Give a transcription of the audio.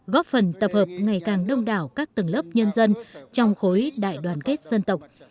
góp phần tập hợp ngày càng đông đảo các tầng lớp nhân dân trong khối đại đoàn kết dân tộc